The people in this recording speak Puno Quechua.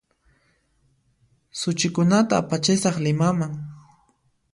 Suchikunata apachisaq Limaman